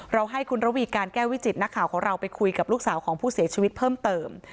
ให้คุณระวีการแก้ววิจิตนักข่าวของเราไปคุยกับลูกสาวของผู้เสียชีวิตเพิ่มเติม